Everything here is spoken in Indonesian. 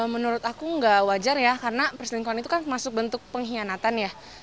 menurut aku nggak wajar ya karena perselingkuhan itu kan masuk bentuk pengkhianatan ya